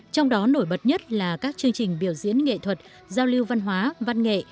trong đó nổi bật nhất là các chương trình biểu diễn nghệ thuật giao lưu văn hóa văn nghệ